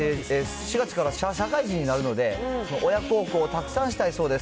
４月から社会人になるので、親孝行をたくさんしたいそうです。